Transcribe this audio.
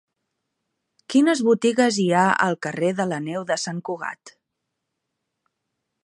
Quines botigues hi ha al carrer de la Neu de Sant Cugat?